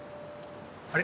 あれ？